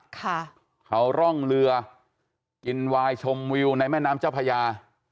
ค่ะเขาร่องเรือกินวายชมวิวในแม่น้ำเจ้าพญา